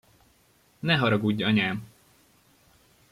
Ne haragudj, anyám!